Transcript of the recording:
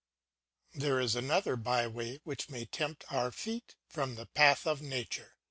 There is another by way which may tempt our feet from the path of nature.